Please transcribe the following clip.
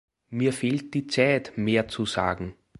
Mir fehlt die Zeit, mehr zu sagen.